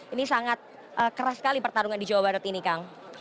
ini sangat keras sekali pertarungan di jawa barat ini kang